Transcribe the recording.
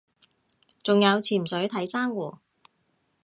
仲有潛水睇珊瑚